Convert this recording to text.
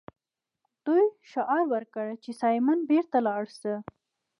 دوی شعار ورکړ چې سایمن بیرته لاړ شه.